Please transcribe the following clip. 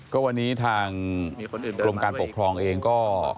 ก็วันนี้ทางกรมการปกครองเองก็